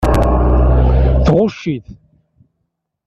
Tɣucc-it.